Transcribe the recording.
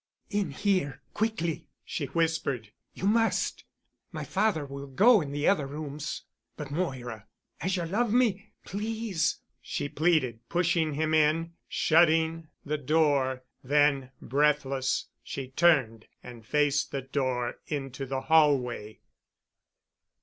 "In here, quickly," she whispered. "You must. My father will go in the other rooms." "But, Moira——" "As you love me—please—," she pleaded, pushing him in, shutting the door. Then breathless, she turned and faced the door into the hallway.